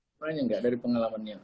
sebenarnya tidak dari pengalamannya